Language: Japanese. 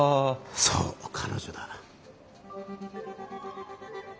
そう彼女だ。